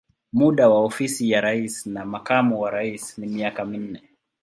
Muda wa ofisi ya rais na makamu wa rais ni miaka minne.